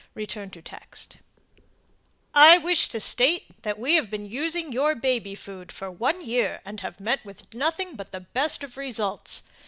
] "I wish to state that we have been using your Baby Food for one year and have met with nothing but the best of results.